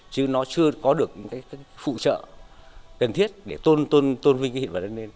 chứ nó chưa có được những phụ trợ cần thiết để tôn vinh những hiện vật này lên